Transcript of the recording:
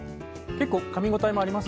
結構かみ応えもあります。